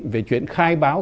về chuyện khai báo